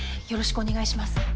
よろしくお願いします。